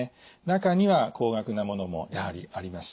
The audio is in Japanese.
中には高額なものもやはりあります。